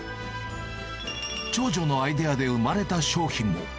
長女のアイデアで生まれた商品も。